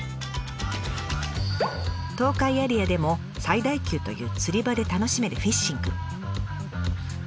東海エリアでも最大級という釣り場で楽しめるフィッシング。